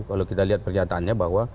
kalau kita lihat pernyataannya bahwa